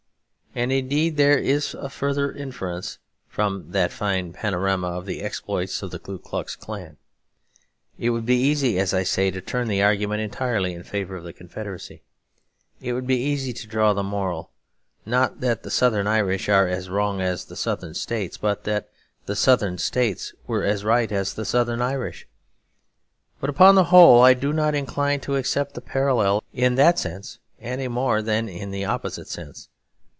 And, indeed, there is a further inference from that fine panorama of the exploits of the Ku Klux Klan. It would be easy, as I say, to turn the argument entirely in favour of the Confederacy. It would be easy to draw the moral, not that the Southern Irish are as wrong as the Southern States, but that the Southern States were as right as the Southern Irish. But upon the whole, I do not incline to accept the parallel in that sense any more than in the opposite sense.